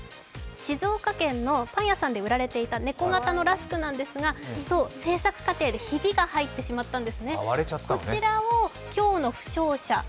静岡県のパン屋さんで売られていた猫形のラスクなんですが製作過程でひびが入ってしまったんですね。